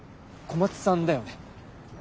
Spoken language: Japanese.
小松さんだよね？